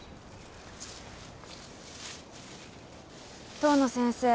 遠野先生